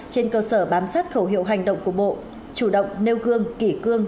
trên cơ sở bám sát khẩu hiệu hành động của bộ chủ động nêu gương kỷ cương